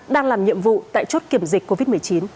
đang làm nhiệm vụ tại chốt kiểm dịch covid một mươi chín